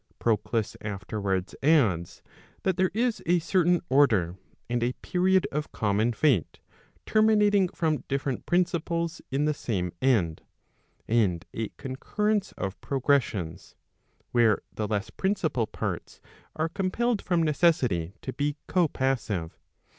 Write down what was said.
Proclus afterwards adds, that Proc. Vol. II. 3 Q Digitized by t^OOQLe TEN DOUBTS m there is a certain order and a period of common fate, terminating from different principles in the same end, and a concurrence of progressions, where the less principal parts are compelled from necessity to be copas$ive.